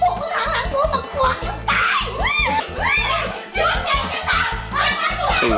บวกมาบวกมาทางหลังผมมาบวกฟรั่งใกล้